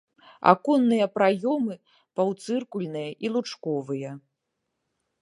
Аконныя праёмы паўцыркульныя і лучковыя.